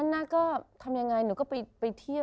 ตอนนั้นนะก็ทำยังไงหนูก็ไปเที่ยว